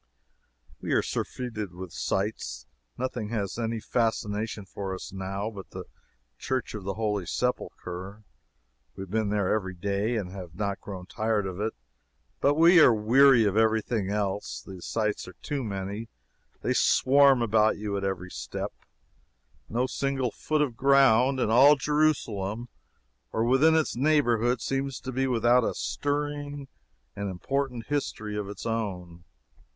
We are surfeited with sights. Nothing has any fascination for us, now, but the Church of the Holy Sepulchre. We have been there every day, and have not grown tired of it; but we are weary of every thing else. The sights are too many. They swarm about you at every step; no single foot of ground in all Jerusalem or within its neighborhood seems to be without a stirring and important history of its own.